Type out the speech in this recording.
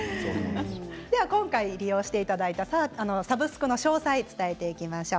今回利用していただいたサブスクの詳細をお伝えしていきましょう。